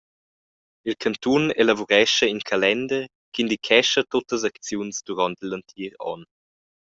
Il cantun elavurescha in calender ch’indichescha tuttas acziuns duront igl entir onn.